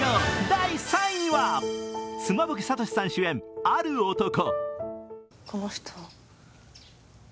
第３位は妻夫木聡さん主演、「ある男」。